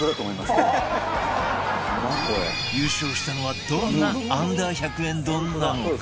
優勝したのはどんな Ｕ−１００ 円丼なのか？